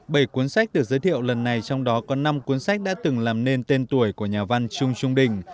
bảy cuốn sách được giới thiệu lần này trong đó có năm cuốn sách đã từng làm nên tên tuổi của nhà văn trung trung đình